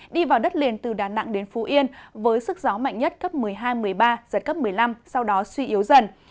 đi vào đất liền từ đà nẵng đến phú yên với sức gió mạnh nhất cấp một mươi hai một mươi ba giật cấp một mươi năm sau đó suy yếu dần